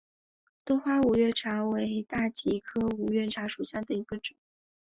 多花五月茶为大戟科五月茶属下的一个种。